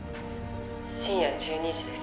「深夜１２時です」